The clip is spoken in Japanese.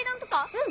うん！